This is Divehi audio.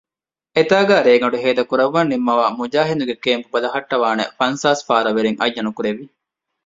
އެތާނގައި ރޭގަނޑު ހޭދަކުރައްވަން ނިންމަވައި މުޖާހިދުންގެ ކޭމްޕް ބަލަހައްޓަވާނެ ފަންސާސް ފާރަވެރިން އައްޔަންކުރެއްވި